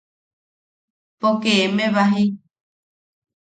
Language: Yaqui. Poke eme baji.